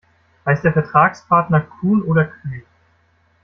Heißt der Vertragspartner Kuhn oder Kühn?